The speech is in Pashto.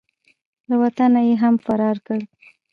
له وطنه یې هم فرار کړ.